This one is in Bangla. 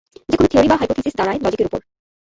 যে কোনো থিওরি বা হাইপোথিসিস দাঁড়ায় লজিকের ওপর।